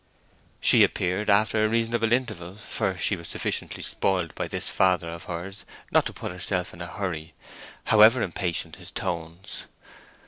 She appeared after a reasonable interval, for she was sufficiently spoiled by this father of hers not to put herself in a hurry, however impatient his tones.